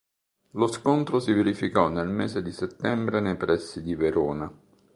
Lo scontro si verificò nel mese di settembre nei pressi di Verona.